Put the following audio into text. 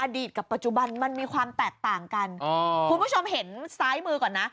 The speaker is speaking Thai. กับปัจจุบันมันมีความแตกต่างกันอ๋อคุณผู้ชมเห็นซ้ายมือก่อนนะ